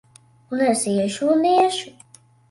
Un es iešu un iešu!